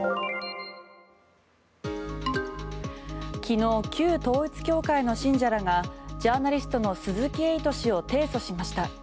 昨日、旧統一教会の信者らがジャーナリストの鈴木エイト氏を提訴しました。